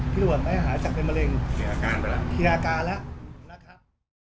พี่โรเบิร์ดไม่หาจักในมะเร็งเคลียร์อาการไปแล้วเคลียร์อาการแล้ว